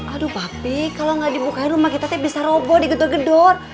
aduh pak kalau nggak dibukain rumah kita tuh bisa roboh digedor gedor